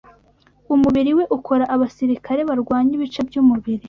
umubiri we ukora abasirikare barwanya ibice by’umubiri